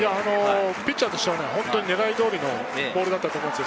ピッチャーとしては願い通りのボールだったと思うんです。